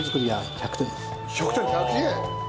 １００点！